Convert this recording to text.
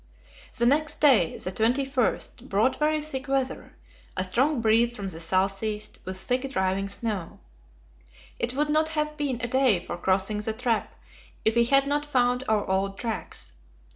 The next day, the 21st, brought very thick weather: a strong breeze from the south east, with thick driving snow. It would not have been a day for crossing the trap if we had not found our old tracks.